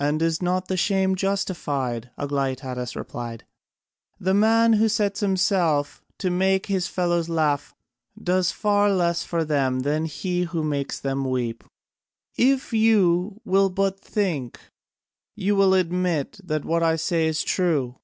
"And is not the shame justified?" Aglaïtadas replied. "The man who sets himself to make his fellows laugh does far less for them than he who makes them weep. If you will but think, you will admit that what I say is true.